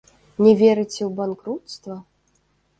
Не верыце ў банкруцтва?